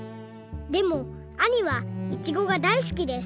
でもあにはいちごがだいすきです。